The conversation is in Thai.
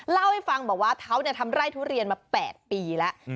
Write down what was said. เล่าให้ฟังบอกว่าเขาทำไร่ทุเรียนมา๘ปีแล้ว